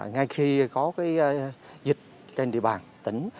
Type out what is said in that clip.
ngay khi có dịch trên địa bàn tỉnh